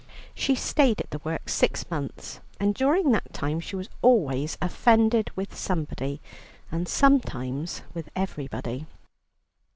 She stayed at the work six months, and during that time she was always offended with somebody, and sometimes with everybody.